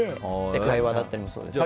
会話だったりもそうですけど。